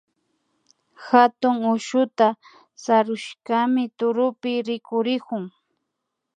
Hatun ushuta sarushkami turupi rikurikun